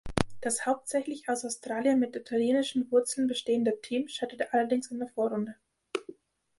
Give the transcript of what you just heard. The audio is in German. Das hauptsächlich aus Australiern mit italienischen Wurzeln bestehende Team scheiterte allerdings in der Vorrunde.